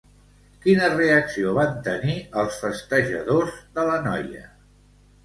Quina reacció van tenir els festejadors de la noia?